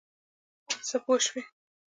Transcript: څه پوه شوې؟